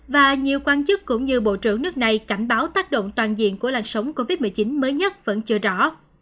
và nhiều quan chức cũng như bộ trưởng nước này cảnh báo tác động toàn diện của làn sóng covid một mươi chín mới nhất vẫn chưa rõ